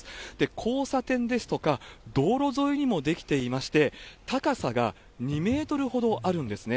交差点ですとか道路沿いにも出来ていまして、高さが２メートルほどあるんですね。